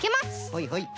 はいはい。